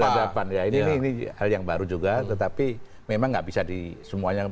berhadapan ya ini hal yang baru juga tetapi memang gak bisa di semuanya